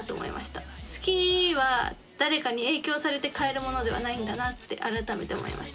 好きは誰かに影響されて変えるものではないんだなって改めて思いました。